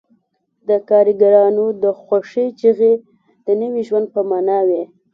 د کارګرانو د خوښۍ چیغې د نوي ژوند په مانا وې